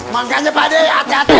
makanya pak dek hati hati